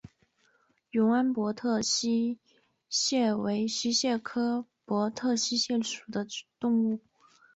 永安博特溪蟹为溪蟹科博特溪蟹属的动物。